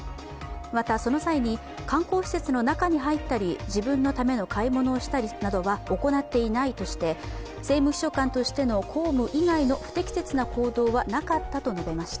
また、その際に観光施設の中に入ったり、自分のための買い物をしたりなどは行っていないとして政務秘書官としての公務以外の不適切な行動はなかったと述べました。